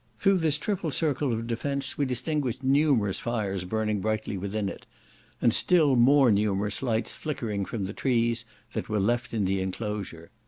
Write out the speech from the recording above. Through this triple circle of defence we distinguished numerous fires burning brightly within it; and still more numerous lights flickering from the trees that were left in the enclosure.